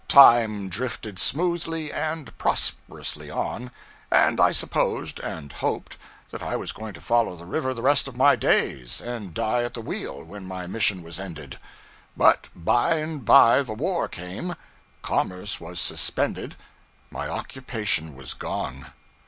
Time drifted smoothly and prosperously on, and I supposed and hoped that I was going to follow the river the rest of my days, and die at the wheel when my mission was ended. But by and by the war came, commerce was suspended, my occupation was gone.